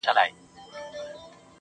ماته را پاتې دې ښېرې، هغه مي بيا ياديږي,